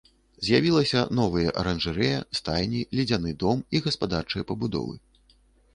З'явілася новыя аранжарэя, стайні, ледзяны дом і гаспадарчыя пабудовы.